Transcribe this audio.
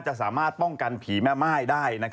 จะสามารถป้องกันผีแม่ม่ายได้